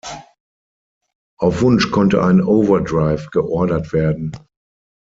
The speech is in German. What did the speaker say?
Auf Wunsch konnte ein Overdrive geordert werden.